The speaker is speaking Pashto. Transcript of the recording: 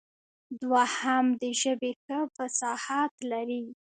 دوهم د ژبې ښه فصاحت لري.